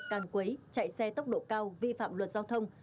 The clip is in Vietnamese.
càng quấy chạy xe tốc độ cao vi phạm luật giao thông